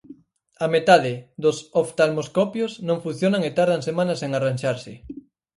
A metade dos oftalmoscopios non funcionan e tardan semanas en arranxarse.